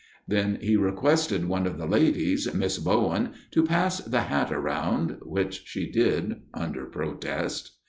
Then he requested one of the ladies, Miss Bowen, to "pass the hat around," which she did under protest.